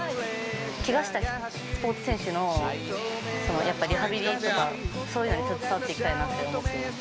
けがしたスポーツ選手のリハビリとか、そういうのに携わっていきたいなと思ってます。